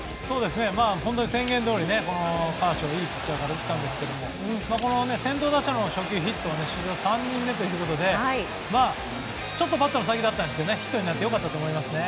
本当に宣言どおりカーショー、いいピッチャーから打てたんですが先頭打者の初球ヒットは史上３人目ということでバットの先でしたがヒットになって良かったと思います。